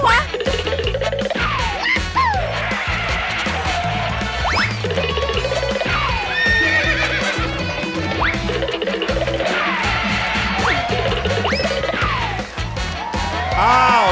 อ้าวแล้ว